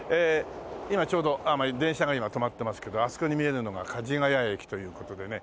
今ちょうど電車が止まってますけどあそこに見えるのが梶が谷駅という事でね。